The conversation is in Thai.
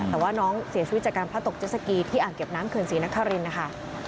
แต่ว่าน้องเสียชีวิตจากการพระตกเจสสกีที่อ่างเก็บน้ำเขื่อนศรีนครินนะคะ